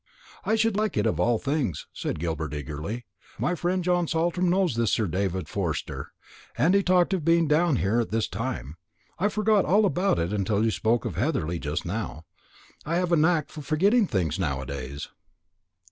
"I should like it of all things," said Gilbert eagerly. "My friend John Saltram knows this Sir David Forster, and he talked of being down here at this time: I forgot all about it till you spoke of Heatherly just now. I have a knack of forgetting things now a days."